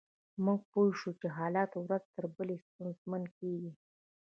موږ پوه شوو چې حالات ورځ تر بلې ستونزمن کیږي